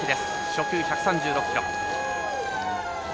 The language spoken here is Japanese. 初球１３６キロ。